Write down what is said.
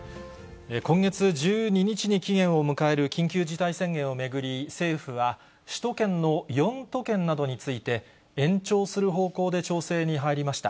今月１２日に期限を迎える緊急事態宣言を巡り、政府は、首都圏の４都県などについて、延長する方向で調整に入りました。